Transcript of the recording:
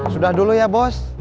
sudah dulu ya bos